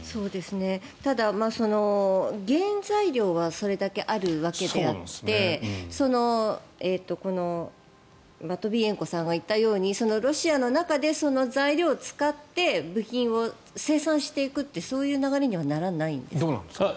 ただ、原材料はそれだけあるわけであってマトビエンコさんが言ったようにロシアの中でその材料を使って部品を生産していくってそういう流れにはならないんですか？